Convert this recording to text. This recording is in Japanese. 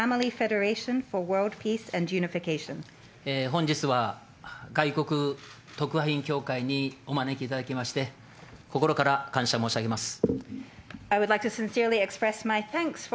本日は外国特派員協会にお招きいただきまして、心から感謝申し上げます。